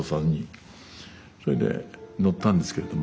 それで乗ったんですけれども。